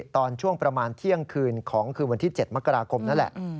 ตอนช่วงประมาณเที่ยงคืนของคืนวันที่๗มกราคมนั่นแหละ